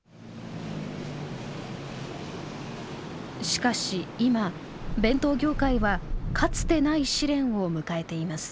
しかし今弁当業界はかつてない試練を迎えています。